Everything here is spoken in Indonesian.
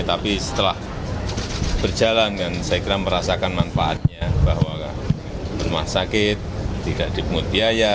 tapi setelah berjalan kan saya kira merasakan manfaatnya bahwa rumah sakit tidak dipungut biaya